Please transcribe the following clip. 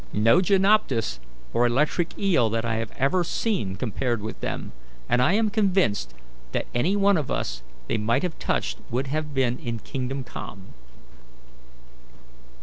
No gymnotus or electric eel that I have ever seen compared with them, and I am convinced that any one of us they might have touched would have been in kingdom come."